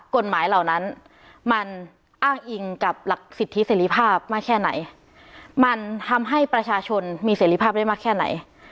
เหล่านั้นมันอ้างอิงกับหลักสิทธิเสรีภาพมากแค่ไหนมันทำให้ประชาชนมีเสรีภาพได้มากแค่ไหน